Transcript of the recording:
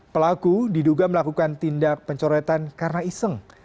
pelaku diduga melakukan tindak pencoretan karena iseng